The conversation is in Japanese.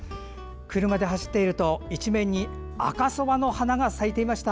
車で走っていると一面に赤そばの花が咲いていました。